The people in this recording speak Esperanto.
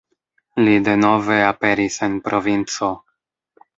Li denove aperis en provinco.